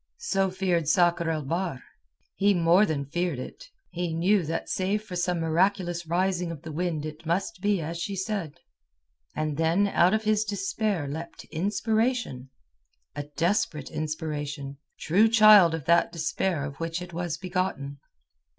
So feared Sakr el Bahr. He more than feared it. He knew that save for some miraculous rising of the wind it must be as she said. And then out of his despair leapt inspiration—a desperate inspiration, true child of that despair of which it was begotten.